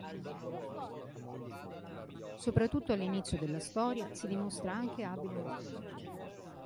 Soprattutto all'inizio della storia si dimostra anche abile nel commercio.